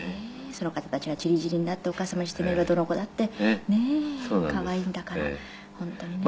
その方たちが散り散りになってお母様にしてみればどの子だってねえ可愛いんだから本当にね。